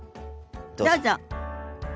どうぞ。